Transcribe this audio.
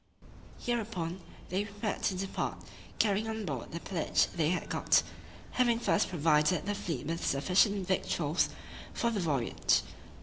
Hereupon, they prepared to depart, carrying on board all the pillage they had got, having first provided the fleet with sufficient victuals for the voyage.